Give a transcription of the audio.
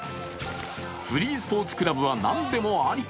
フリースポーツクラブは何でもあり。